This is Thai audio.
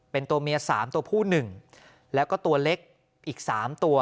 เป็นตัวเมียสามตัวผู้หนึ่งแล้วก็ตัวเล็กอีกสามตัว